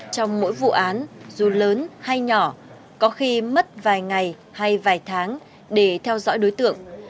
trong mỗi vụ án dù lớn hay nhỏ có khi mất vài ngày hay vài tháng để theo dõi đối tượng